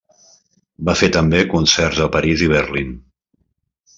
Va fer també concerts a París i Berlín.